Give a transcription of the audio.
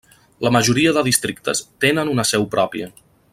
La majoria de districtes tenen una seu pròpia.